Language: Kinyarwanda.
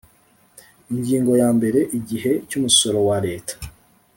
Ingingo ya mbere Igihe cy umusorowa leta